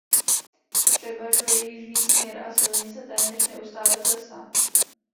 Převažuje jižní směr a silnice téměř neustále klesá.